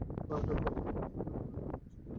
সেদিন রাত তখন বারোটা হবে– দেখলুম তোমার ঘরে আলো জ্বলছে।